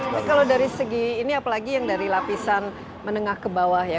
tapi kalau dari segi ini apalagi yang dari lapisan menengah ke bawah ya